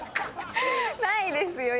ないですよ